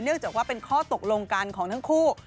จากว่าเป็นข้อตกลงกันของทั้งคู่